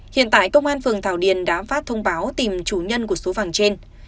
hiện tại công an phường thảo điền đã phát thông báo tìm chủ nhân của số vàng trên